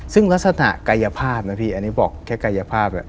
ซึ่งลักษณะกายภาพนะพี่อันนี้บอกแค่กายภาพ